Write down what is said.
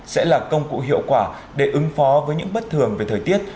sẽ là công cụ hiệu quả để ứng phó với những bất thường về thời tiết